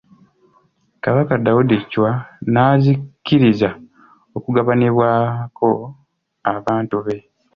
Kabaka Daudi Chwa n'azikkiriza okugabanibwako abantu be.